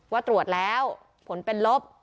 ว่าตรวจแล้วผลเป็นลบ